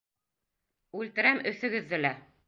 Үлтерәм өҫөгөҙҙө лә!